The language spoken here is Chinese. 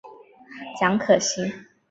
蒋可心。